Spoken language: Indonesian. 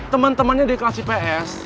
temen temennya di kelas ips